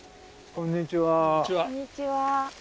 こんにちは。